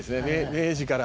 明治から。